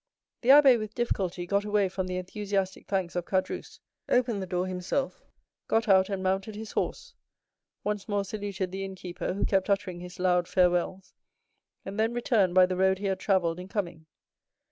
The abbé with difficulty got away from the enthusiastic thanks of Caderousse, opened the door himself, got out and mounted his horse, once more saluted the innkeeper, who kept uttering his loud farewells, and then returned by the road he had travelled in coming.